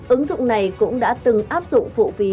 ứng dụng này cũng đã từng áp dụng phụ phí